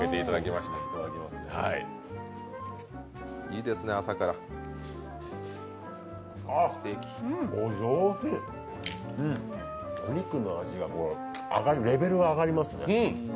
いいですね、朝からステーキあ、お上品、お肉の味が、レベルが上がりますね。